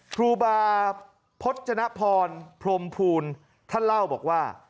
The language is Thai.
ครูบาพจนพรพรมภูลท่านเล่าบอกว่า